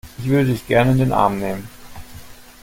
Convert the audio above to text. Ich würde dich gerne in den Arm nehmen.